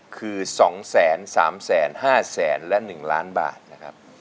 คือสองแสนสามแสนห้าแสนและหนึ่งล้านบาทนะครับ